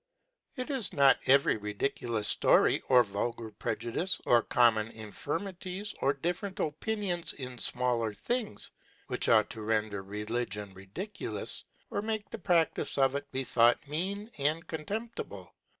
It is not every ridiculous ftory, or vulgar prejudice, or common infirmities, or diiferent opinions in ftnaller things, which ought to render Religion ridiculous, or make the Praftice of it be thought mean and con * temptible.